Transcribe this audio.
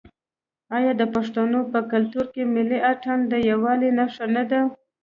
آیا د پښتنو په کلتور کې ملي اتن د یووالي نښه نه ده؟